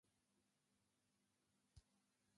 دا څه خرخر غږېږې.